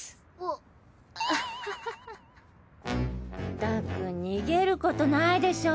ったく逃げることないでしょ。